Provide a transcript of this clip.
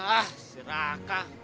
ah si raka